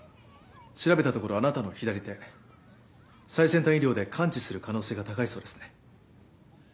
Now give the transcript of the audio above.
調べたところあなたの左手最先端医療で完治する可能性が高いそうですね。